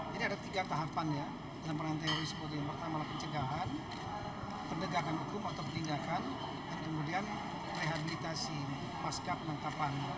pencegahan hukum atau pertinggakan kemudian rehabilitasi pasca penangkapan